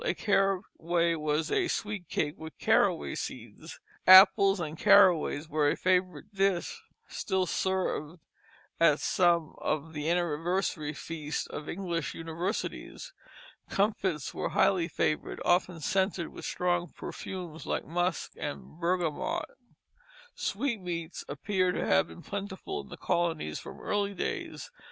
A caraway was a sweet cake with caraway seeds. Apples and caraways were a favorite dish, still served at some of the anniversary feasts of English universities. Comfits were highly flavored, often scented with strong perfumes like musk and bergamot. Sweetmeats appear to have been plentiful in the colonies from early days.